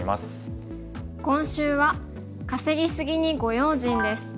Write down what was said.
今週は「稼ぎ過ぎにご用心」です。